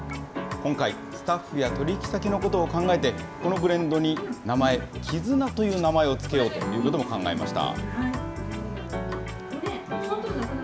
今回、スタッフや取り引き先のことを考えて、このブレンドに名前、絆という名前を付けようということも考えました。